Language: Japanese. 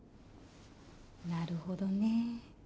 なるほどね。